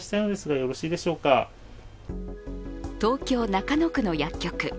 東京・中野区の薬局。